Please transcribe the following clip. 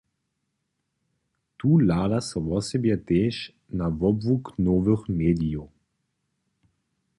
Tu hlada so wosebje tež na wobłuk nowych medijow.